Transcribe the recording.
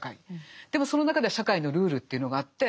でもその中では社会のルールというのがあって。